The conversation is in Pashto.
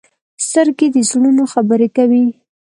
سترګې د زړونو خبرې کوي